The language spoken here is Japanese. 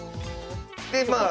でまあ